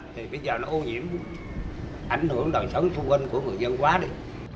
thì bây giờ nó ô nhiễm ảnh hưởng đoàn sân xung quanh của người dân quá đi